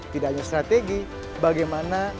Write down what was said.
tidak hanya strategi bagaimana